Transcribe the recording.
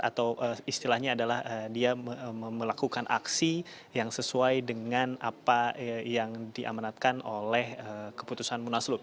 atau istilahnya adalah dia melakukan aksi yang sesuai dengan apa yang diamanatkan oleh keputusan munaslup